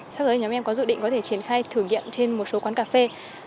sau đó thì nhóm em có dự định có thể triển khai thử nghiệm trên một số quán cà phê